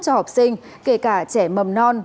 cho học sinh kể cả trẻ mầm non